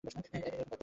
এরকম কয়েকটা দিন।